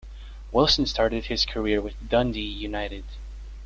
Wilson started his career with Dundee United.